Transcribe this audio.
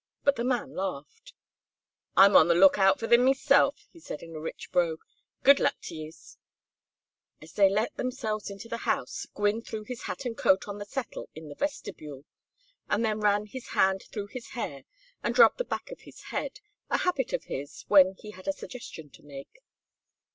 But the man laughed. "I'm on the lookout for thim meself," he said, in a rich brogue. "Good luck to yees." As they let themselves into the house, Gwynne threw his hat and coat on the settle in the vestibule, and then ran his hand through his hair and rubbed the back of his head, a habit of his when he had a suggestion to make.